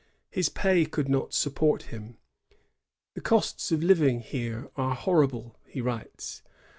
His pay could not support him. ^The costs of living here are horrible," he writes.